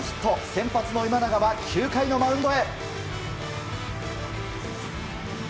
先発の今永は９回のマウンドへ。